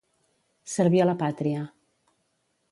Servir a la pàtria.